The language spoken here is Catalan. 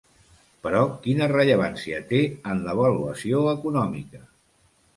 Però, quina rellevància té en l'avaluació econòmica?